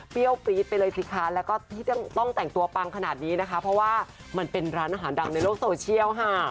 เพราะว่ามันเป็นร้านอาหารดังในโลกโซเชียลค่ะ